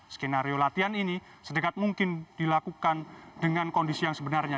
skenario latihan ini sedekat mungkin dilakukan dengan kondisi yang sebenarnya